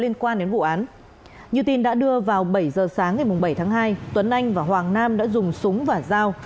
nhiều tin đã đưa vào bảy giờ sáng ngày bảy tháng hai tuấn anh và hoàng nam đã dùng súng và giao